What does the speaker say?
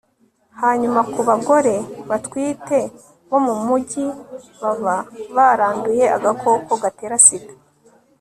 hanyuma ku bagore batwite bo mu mugi baba baranduye agakoko gatera sida